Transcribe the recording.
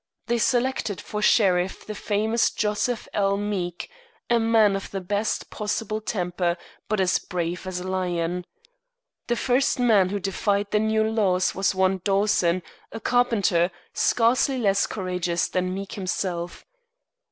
They selected for sheriff the famous Joseph L. Meek, a man of the best possible temper, but as brave as a lion. The first man who defied the new laws was one Dawson, a carpenter, scarcely less courageous than Meek himself.